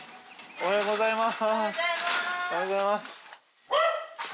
おはようございます。